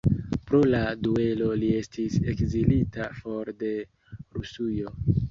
Pro la duelo li estis ekzilita for de Rusujo.